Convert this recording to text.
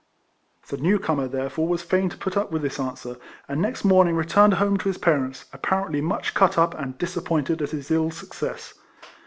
The new comer, therefore, was fain to put up with tliis answer, and next morning re turned home to his parents, apparently much cut up and disappointed at his ill success.